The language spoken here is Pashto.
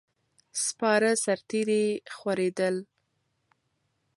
سپاره سرتیري خورېدل.